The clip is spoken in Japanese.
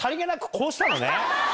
こうしたのね。